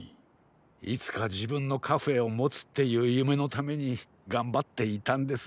いつかじぶんのカフェをもつっていうゆめのためにがんばっていたんです。